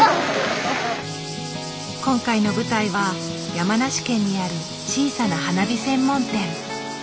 今回の舞台は山梨県にある小さな花火専門店。